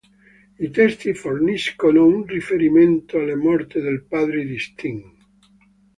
I testi forniscono un riferimento alla morte del padre di Sting.